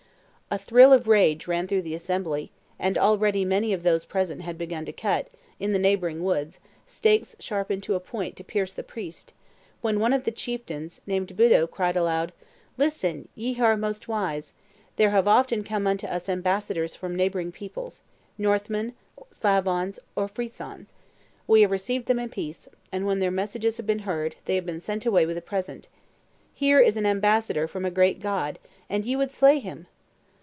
A thrill of rage ran through the assembly; and already many of those present had begun to cut, in the neighboring woods, stakes sharpened to a point to pierce the priest, when one of the chieftains named Buto cried aloud, "Listen, ye who are the most wise. There have often come unto us ambassadors from neighboring peoples, Northmen, Slavons or Frisons; we have received them in peace, and when their messages have been heard, they have been sent away with a present. Here is an ambassador from a great God, and ye would slay him!"